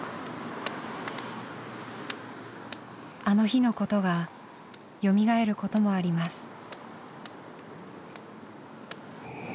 あの日のことがよみがえることもあります。